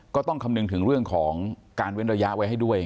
ก็ต้องคำนึงถึงเรื่องของการเว้นระยะไว้ให้ด้วย